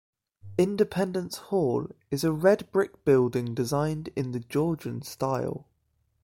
Independence Hall is a red brick building designed in the Georgian style.